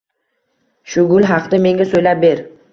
Shu gul haqda menga soʻylab ber.